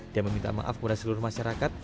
dia meminta maaf kepada seluruh masyarakat